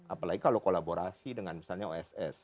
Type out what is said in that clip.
apalagi kalau kolaborasi dengan misalnya oss